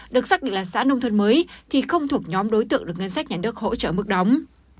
được xác định là xã nông thôn mới thì không thuộc nhóm đối tượng được ngân sách nhà nước hỗ trợ mức đóng